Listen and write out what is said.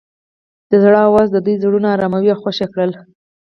د زړه اواز د دوی زړونه ارامه او خوښ کړل.